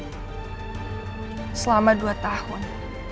suaminya itu pulang selama dua tahun